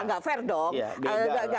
tidak fair dong